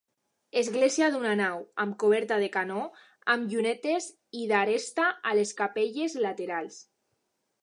Església d'una nau amb coberta de canó amb llunetes i d'aresta a les capelles laterals.